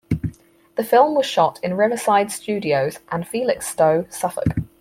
The film was shot in Riverside Studios, and Felixstowe, Suffolk.